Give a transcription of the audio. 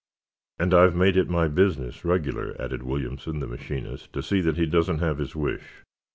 "And I've made it my business, regular," added Williamson, the machinist, "to see that he doesn't have his wish."